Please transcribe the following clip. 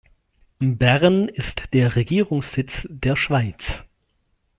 Bern ist der Regierungssitz der Schweiz.